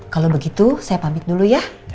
kalau begitu saya pamit dulu ya